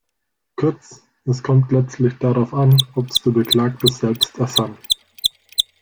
Kurz: es kommt letztlich darauf an, ob’s der Beklagte selbst ersann.